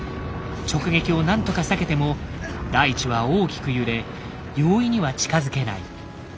直撃を何とか避けても大地は大きく揺れ容易には近づけない。